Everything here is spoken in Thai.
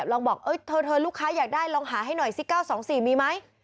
ลองบอกเธอลูกค้าอยากได้ลองหาให้หน่อยสิ๙๒๔มีไหม